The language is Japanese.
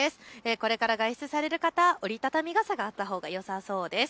これから外出される方、折り畳み傘があったほうがよさそうです。